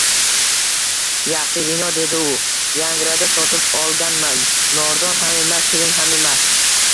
Yaxshi vino, – dedi u. – Yagrada sotib olganman. Nordon ham emas, shirin ham emas.